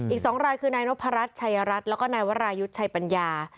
อีก๒รายคือนายนพรัชชัยรัฐแล้วก็นายวรายุทธ์ชัยปัญญา